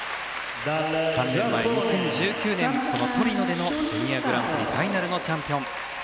３年前、２０１９年このトリノでのジュニアグランプリファイナルのチャンピオン。